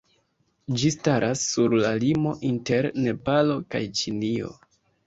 Ĝi staras sur la limo inter Nepalo kaj Ĉinio.